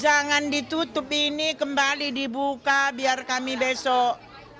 jangan ditutup ini kembali dibuka biar kami besok